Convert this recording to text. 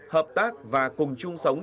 hợp tác và cùng chung sống